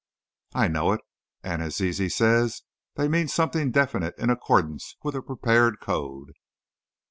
"I know it. And, as Zizi says, they mean something definite in accordance with a prepared code.